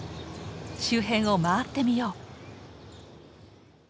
周辺を回ってみよう。